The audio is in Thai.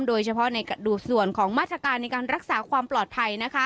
โดยเฉพาะในดูดส่วนของมาตรการในการรักษาความปลอดภัย